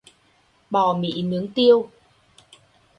bò mĩ nướng tiêu